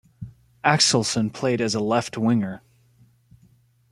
Axelsson played as a left winger.